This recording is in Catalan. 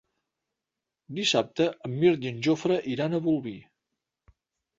Dissabte en Mirt i en Jofre iran a Bolvir.